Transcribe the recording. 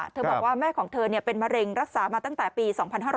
บอกว่าแม่ของเธอเป็นมะเร็งรักษามาตั้งแต่ปี๒๕๕๙